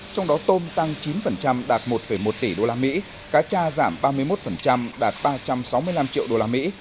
trong đó tôm tăng chín đạt một một tỷ đô la mỹ cá cha giảm ba mươi một đạt ba trăm sáu mươi năm triệu đô la mỹ